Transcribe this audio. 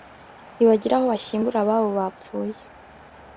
ntibagira aho bashyingura ababo bapfuye